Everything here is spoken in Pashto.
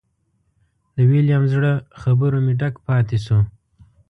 د ویلیم زړه خبرو مې ډک پاتې شو.